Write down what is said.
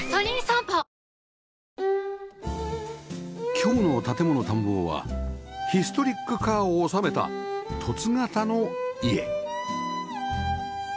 今日の『建もの探訪』はヒストリックカーを収めた凸形の家